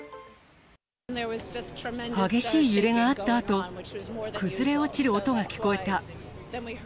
激しい揺れがあったあと、崩れ落ちる音が聞こえた。